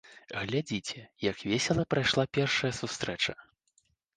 Глядзіце, як весела прайшла першая сустрэча!